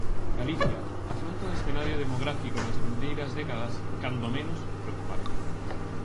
Galicia, afronta un escenario demográfico nas vindeiras décadas cando menos preocupante.